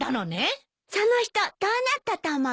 その人どうなったと思う？